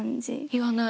言わない。